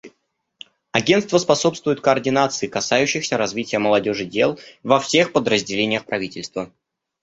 Агентство способствует координации касающихся развития молодежи дел во всех подразделениях правительства.